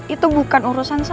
itu bukan urusan saya